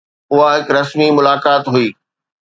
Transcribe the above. اها هڪ رسمي ملاقات هئي.